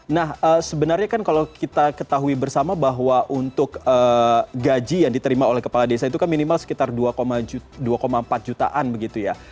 nah sebenarnya kan kalau kita ketahui bersama bahwa untuk gaji yang diterima oleh kepala desa itu kan minimal sekitar dua empat jutaan begitu ya